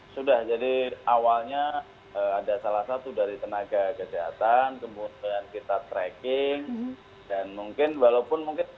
sudah jadi awalnya ada salah satu dari tenaga kesehatan kemudian kita tracking dan mungkin walaupun mungkin